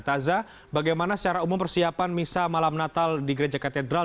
taza bagaimana secara umum persiapan misa malam natal di gereja katedral